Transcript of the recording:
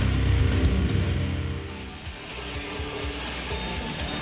สุดยอดมวยเด็ก